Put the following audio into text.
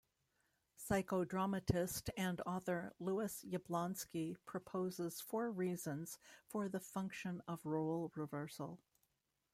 Psychodramatist and author Lewis Yablonsky proposes four reasons for the function of role reversal.